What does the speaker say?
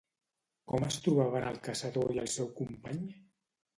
Com es trobaven el caçador i el seu company?